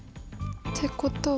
ってことは。